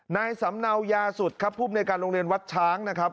นายสำเนายาสุดครับภูมิในการโรงเรียนวัดช้างนะครับ